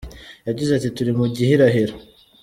Yagize ati “ Turi mu gihirahiro.